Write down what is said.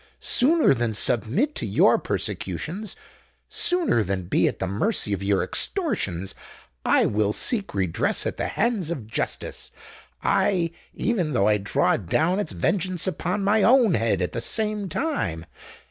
Sooner than submit to your persecutions—sooner than be at the mercy of your extortions,—I will seek redress at the hands of justice—aye, even though I draw down its vengeance upon my own head at the same time!"